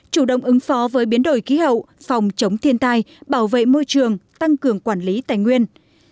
chủ động ứng phó với biến đổi khí hậu phòng chống thiên tai bảo vệ môi trường tăng cường quản lý tài nguyên